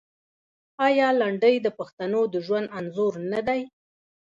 آیا لنډۍ د پښتنو د ژوند انځور نه دی؟